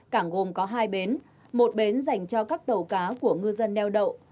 cảng gồm có hai bến một bến dành cho các tàu cá của ngư dân neo đậu